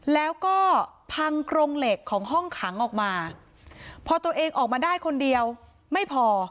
แล้วก็พังกรงเหล็กของห้องขังออกมาพอตัวเองออกมาได้คนเดียวไม่พอ